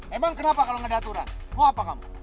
emang kenapa kalau nggak ada aturan oh apa kamu